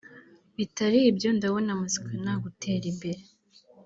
bitari ibyo ndabona muzika nta gutera imbere